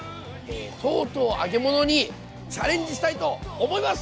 とうとう揚げ物にチャレンジしたいと思います！